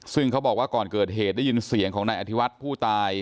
ซึ่งเขาบอกว่าก่อนเกิดเหตุได้ยินเสียงของนายอธิวัฒน์ผู้ตาย